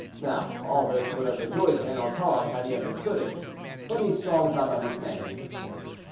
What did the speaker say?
Now all this would have rejoiced Ernanton had he understood it, but he saw without understanding.